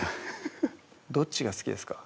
フフフッどっちが好きですか？